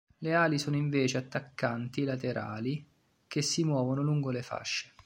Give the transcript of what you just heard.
Le ali sono invece attaccanti laterali, che si muovono lungo le fasce.